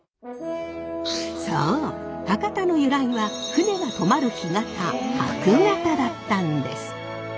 そう博多の由来は船が泊まる干潟泊潟だったんです。